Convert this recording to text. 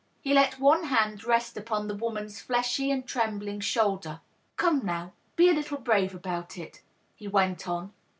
He let one hand rest upon the woman's fleshy and trembling shoulder. " Come, now ; be a little brave about it," he went on.